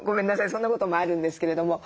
そんなこともあるんですけれども。